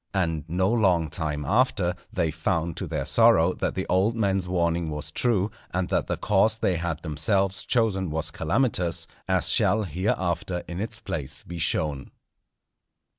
And no long time after, they found to their sorrow that the old man's warning was true, and that the course they had themselves chosen was calamitous; as shall, hereafter, in its place be shown.